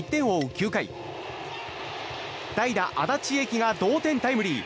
９回代打、安達英輝が同点タイムリー。